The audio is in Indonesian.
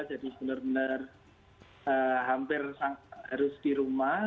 jadi benar benar hampir harus di rumah